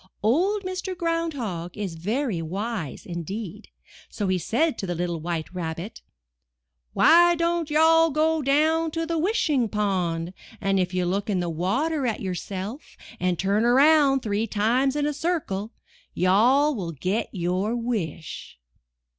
Old Mr. Ground Hog is very wise indeed, so he said to the little White Rabbit: ''Why don't you all go down to Wishing Pond, and if you look in the water at yourself and turn around three times in a circle, you all will get your wish."